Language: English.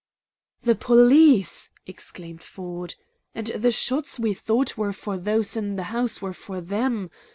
"The police!" exclaimed Ford. "And the shots we thought were for those in the house were for THEM!